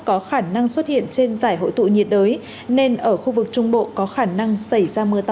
có khả năng xuất hiện trên giải hội tụ nhiệt đới nên ở khu vực trung bộ có khả năng xảy ra mưa to đến rất to